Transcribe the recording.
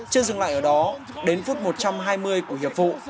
chưa dừng lại ở đó đến phút một trăm hai mươi của hiệp vụ